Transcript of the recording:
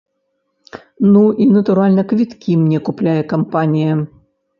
Ну і, натуральна, квіткі мне купляе кампанія.